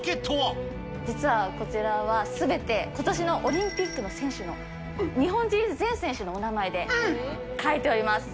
実はこちらはすべて、ことしのオリンピックの選手の、日本人全選手のお名前で書いております。